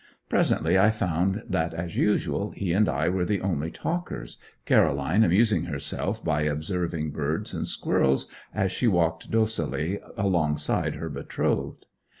Presently I found that, as usual, he and I were the only talkers, Caroline amusing herself by observing birds and squirrels as she walked docilely alongside her betrothed.